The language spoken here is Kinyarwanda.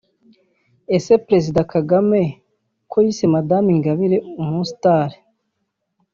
-Ese Perezida Kagame ko yise Madame Ingabire umustar